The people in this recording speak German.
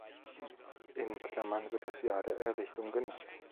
In Klammern wird das Jahr der Errichtung genannt.